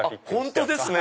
本当ですね！